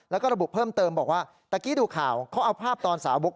แล้วก็ระบุเพิ่มเติมบอกว่าตะกี้ดูข่าวเขาเอาภาพตอนสาวก